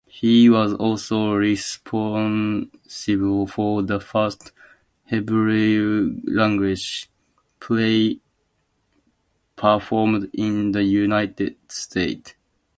He was also responsible for the first Hebrew-language play performed in the United States.